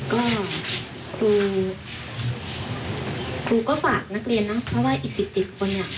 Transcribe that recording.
ก็ครูครูก็ฝากนักเรียนนะเพราะว่าอีก๑๗คนเนี่ย